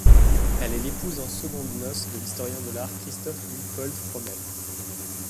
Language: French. Elle est l'épouse en secondes noces de l'historien de l'art Christoph Luitpold Frommel.